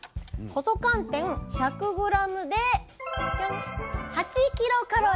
細寒天１００ｇで８ｋｃａｌ。